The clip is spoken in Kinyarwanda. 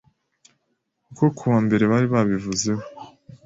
kuko kuwa mbere bari babivuzeho